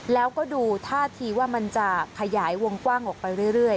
แล้วก็ดูท่าทีว่ามันจะขยายวงกว้างออกไปเรื่อย